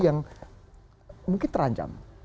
yang mungkin terancam